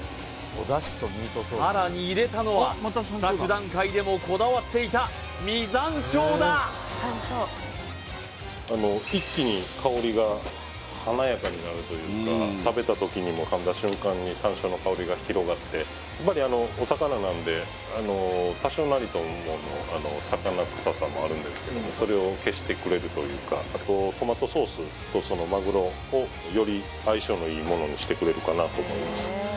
さらに入れたのは試作段階でもこだわっていた実山椒だ一気に香りが華やかになるというか食べた時にも噛んだ瞬間に山椒の香りが広がってやっぱりお魚なんで多少なりともの魚臭さもあるんですけどもそれを消してくれるというかあとトマトソースとそのまぐろをより相性のいいものにしてくれるかなと思います